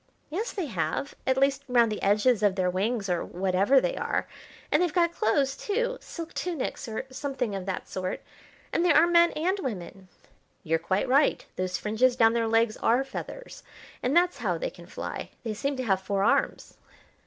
"Yes, they have, at least round the edges of their wings or whatever they are, and they've got clothes, too, silk tunics or something of that sort and there are men and women." "You're quite right, those fringes down their legs are feathers, and that's how they can fly. They seem to have four arms."